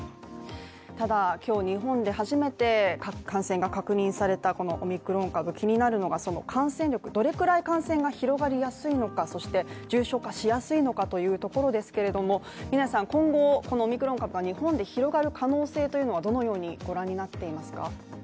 ただ、今日、日本で初めて感染が確認されたこのオミクロン株、気になるのは感染力、どのくらい感染が広がりやすいのかそして重症化しやすいのかというところですけど、今後、このオミクロン株が日本で広がる可能性はどのように御覧になっていますか。